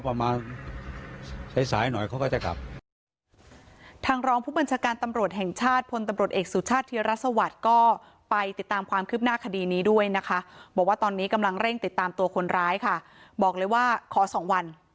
รังเร่งติดตามตัวคนร้ายค่ะบอกเลยว่าขอสองวัน